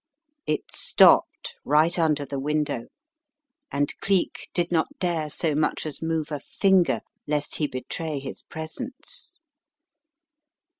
It stopped right under the window, and Cleek did not dare so much as move a finger lest he betray his presence.